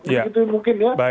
itu mungkin ya